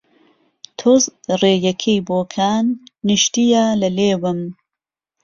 تۆز رێیهکهی بۆکان، نیشتیه له لێوم